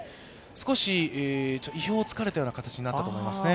少し意表を突かれた形になったと思いますね。